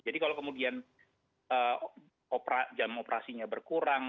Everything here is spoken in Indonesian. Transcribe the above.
kalau kemudian jam operasinya berkurang